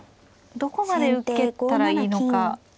どこまで受けたらいいのか。